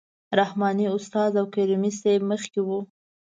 رحماني استاد او کریمي صیب مخکې وو.